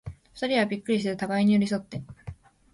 二人はびっくりして、互に寄り添って、